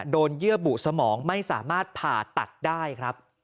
เยื่อบุสมองไม่สามารถผ่าตัดได้ครับ